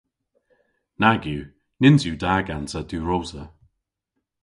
Nag yw. Nyns yw da gansa diwrosa.